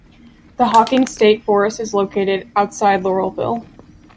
The Hocking State Forest is located outside Laurelville.